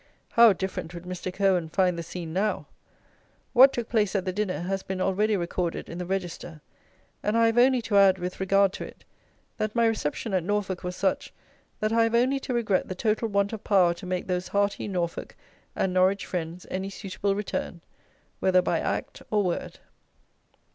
How different would Mr. CURWEN find the scene now! What took place at the dinner has been already recorded in the Register; and I have only to add with regard to it, that my reception at Norfolk was such, that I have only to regret the total want of power to make those hearty Norfolk and Norwich friends any suitable return, whether by act or word.